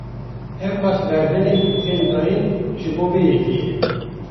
Ewqas berdêlên ku tên dayin, ji bo vê yekê ye